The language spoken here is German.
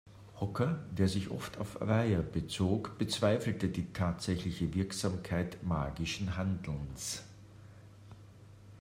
Hocker, der sich oft auf Weyer bezog, bezweifelte die tatsächliche Wirksamkeit magischen Handelns.